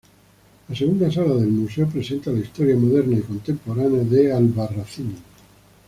La segunda sala del Museo presenta la historia moderna y contemporánea de Albarracín.